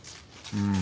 うん？